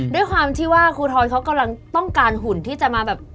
ด้วยความที่ว่าครูทรเขากำลังต้องการหุ่นที่จะมาแบบ